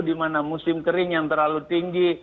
di mana musim kering yang terlalu tinggi